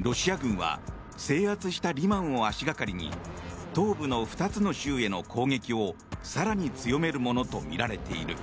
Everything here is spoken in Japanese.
ロシア軍は制圧したリマンを足掛かりに東部の２つの州への攻撃を更に強めるものとみられている。